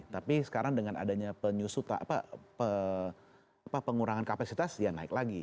tapi sekarang dengan adanya penyusutan pengurangan kapasitas ya naik lagi